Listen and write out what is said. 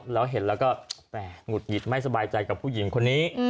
แล้วเห็นแล้วก็หงุดหงิดไม่สบายใจกับผู้หญิงคนนี้